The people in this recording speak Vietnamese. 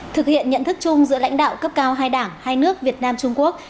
thực hiện nhận thức chung giữa lãnh đạo cấp cao hai đảng hai nước việt nam trung quốc